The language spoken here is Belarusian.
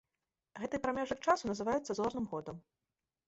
Гэты прамежак часу называецца зорным годам.